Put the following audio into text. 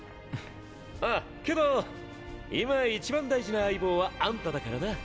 あけど今一番大事な相棒はアンタだからな。